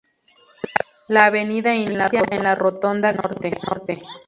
La avenida inicia en la rotonda Quince Norte.